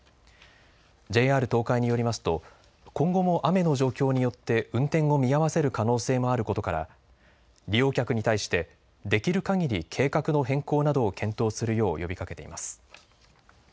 ＪＲ東海によりますと今後も雨の状況によって運転を見合わせる可能性もあることから利用客に対してできるかぎり計画の変更などを検討するよう呼びかけています。